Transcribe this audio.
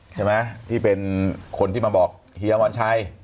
ใช่ไหมที่เป็นคนที่มาบอกเฮียวอนชัย